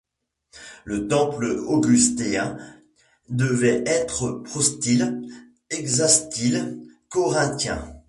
Le temple augustéen devait être prostyle hexastyle corinthien.